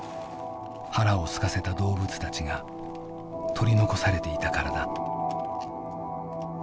腹をすかせた動物たちが取り残されていたからだ。